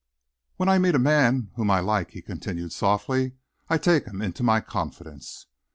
"When I meet a man whom I like," he continued softly, "I take him into my confidence.